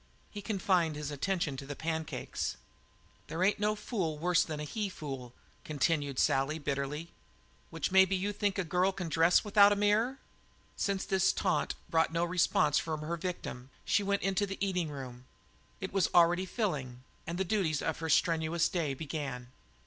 He confined his attention to the pancakes. "There ain't no fool worse than a he fool," continued Sally bitterly. "Which maybe you think a girl can dress without a mirror?" Since this taunt brought no response from her victim, she went on into the eating room. It was already filling, and the duties of her strenuous day began.